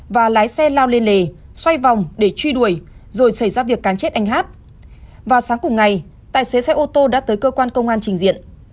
vào sáng cùng ngày tài xế xe ô tô đã tới cơ quan công an trình diện